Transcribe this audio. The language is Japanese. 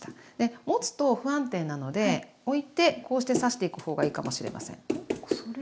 持つと不安定なのでおいてこうして刺していくほうがいいかもしれません。